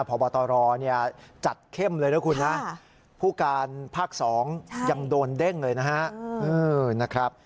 พบตรจัดเข้มเลยนะคุณนะผู้การภาค๒ยังโดนเด้งเลยนะครับ